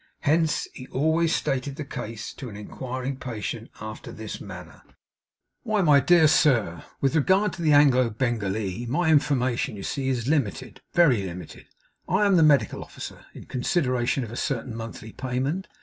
Hence he always stated the case to an inquiring patient, after this manner: 'Why, my dear sir, with regard to the Anglo Bengalee, my information, you see, is limited; very limited. I am the medical officer, in consideration of a certain monthly payment.